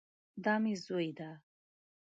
دا مې زوی